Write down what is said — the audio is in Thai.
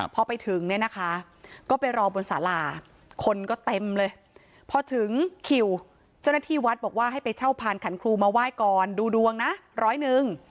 พอไปถึงเนี่ยนะคะก็ไปรอบนสาราคนก็เต็มเลยพอถึงคิวเจ้าหน้าที่วัดบอกว่าให้ไปเช่าพานขันครูมาไหว้ก่อนดูดวงนะร้อยหนึ่ง